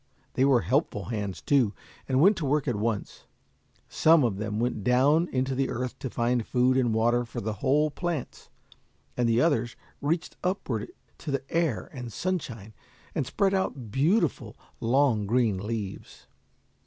They were helpful hands, too, and went to work at once. Some of them went down into the earth to find food and water for the whole plants, and the others reached upward to the air and sunshine, and spread out beautiful, long green leaves.